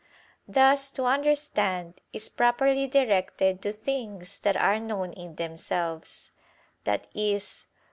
Thus, to understand, is properly directed to things that are known in themselves, i.e.